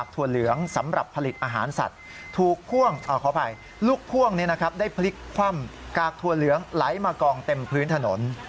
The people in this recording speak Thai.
ถัวเหลืองไหลมากองเต็มพื้นถนน